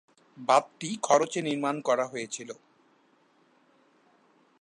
বাঁধটি খরচে নির্মাণ করা হয়েছিল।